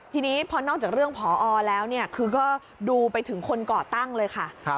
ทีนี้พอนอกจากเรื่องผอแล้วเนี่ยคือก็ดูไปถึงคนก่อตั้งเลยค่ะ